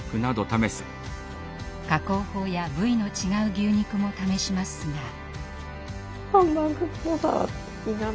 加工法や部位の違う牛肉も試しますが。